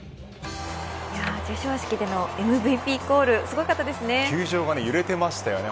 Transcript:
授賞式でのＭＶＰコールすごかったですね。